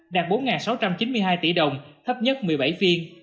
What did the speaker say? đạt bốn sáu trăm chín mươi hai tỷ đồng thấp nhất một mươi bảy phiên